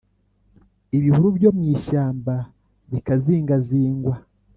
ibihuru byo mu ishyamba bikazingazingwa